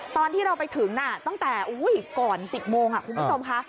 ตอนที่เราไปถึงตั้งแต่ก่อน๑๐โมงคุณผู้ชมค่ะ